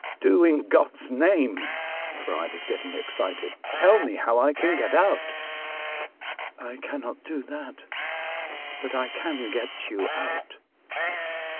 Do, in God's name" (for I was getting excited), ''tell me how I can get out." " I cannot do that ; but I can get you out."